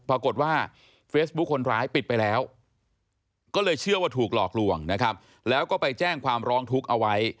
ปรากฏว่าเฟซบุ๊คคนร้ายปิดไปแล้วก็เลยเชื่อว่าถูกหลอกลวงนะครับแล้วก็ไปแจ้งความร้องทุกข์เอาไว้